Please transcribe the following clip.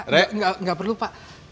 re gak perlu pak